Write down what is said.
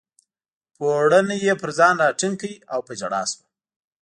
پوړنی یې پر ځان راټینګ کړ او په ژړا شوه.